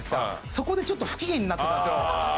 そこでちょっと不機嫌になってたんですよ。